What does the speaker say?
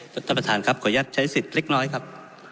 ท่านประธานครับขอระยัดใช้ศิษฐ์เล็กน้อยครับ